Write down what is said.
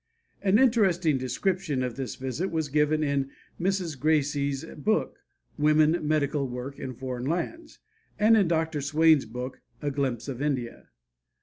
An interesting description of this visit is given in Mrs. Gracey's book, "Woman's Medical Work in Foreign Lands," and in Dr. Swain's book, "A Glimpse of India."